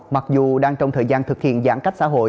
mặc dù đang trong thời gian thực hiện giãn cách xã hội